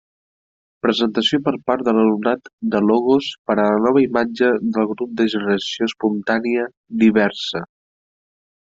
Presentació per part de l'alumnat de logos per a la nova imatge del grup de Generació Espontània «DIVERSA».